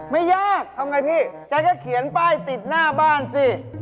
ไม่ยากทำอย่างไรพี่จะแค่เขียนป้ายติดหน้าบ้านสิ